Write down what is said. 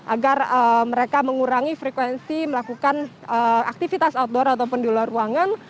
agar mereka mengurangi frekuensi melakukan aktivitas outdoor ataupun di luar ruangan